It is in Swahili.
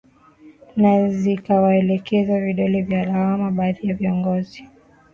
na zikawaelekezea kidole cha lawama baadhi ya viongozi